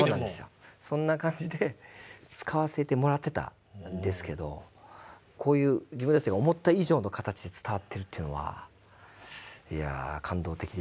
そんな感じで使わせてもらってたんですけどこういう自分たちが思った以上の形で伝わってるというのはいや感動的ですね